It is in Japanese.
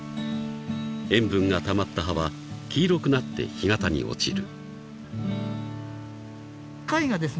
［塩分がたまった葉は黄色くなって干潟に落ちる］